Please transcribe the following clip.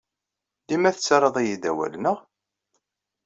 Dima tettarraḍ-iyi-d awal, naɣ?